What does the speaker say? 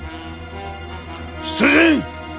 出陣！